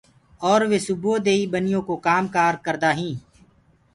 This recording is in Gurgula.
اور وي سُبوئو دي هي ٻنيو ڪو ڪآم ڪآر ڪردآ هينٚ